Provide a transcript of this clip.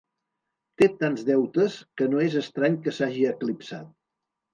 Té tants deutes, que no és estrany que s'hagi eclipsat!